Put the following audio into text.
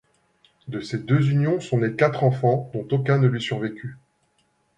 De ses deux unions sont nés quatre enfants dont aucun ne lui survécut.